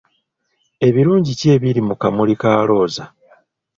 Ebirungi ki ebiri mu Kamuli ka Looza?